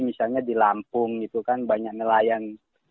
misalnya di lampung itu kan banyak nelayan